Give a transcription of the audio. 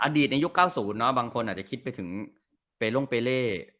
อดีตในยุค๙๐บางคนอาจจะคิดไปถึงเบร่งเปเล